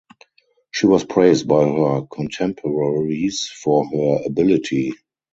She was praised by her contemporaries for her ability.